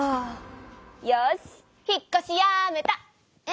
よし引っこしやめた！え？